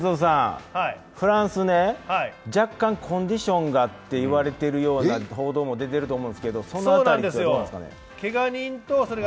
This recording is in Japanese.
哲生さん、フランス若干コンディションがと言われている報道も出ていると思うんですけれども、その辺りはどうなんですか。